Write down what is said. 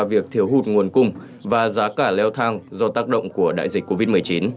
việc thiếu hụt nguồn cung và giá cả leo thang do tác động của đại dịch covid một mươi chín